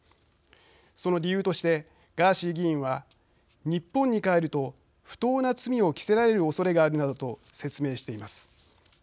その理由として、ガーシー議員は日本に帰ると不当な罪を着せられるおそれがあるなどと説明しています。